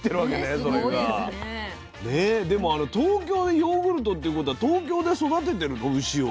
でも東京でヨーグルトっていうことは東京で育ててるの牛を？